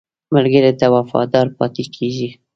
ملګری تل وفادار پاتې کېږي